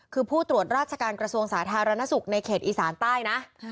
คือผู้ตรวจราชการกระทรวงสาธารณสุขในเขตอีสานใต้นะ